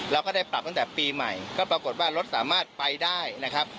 เราก็ได้ปรับตั้งแต่ปีใหม่ก็ปรากฏว่ารถสามารถไปได้นะครับ